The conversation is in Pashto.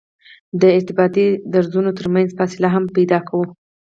د ارتباطي درزونو ترمنځ فاصله هم پیدا کوو